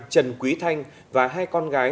trần quý thanh và hai con gái